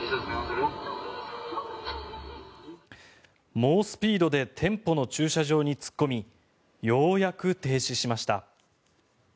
猛スピードで店舗の駐車場に突っ込みようやく停止しました。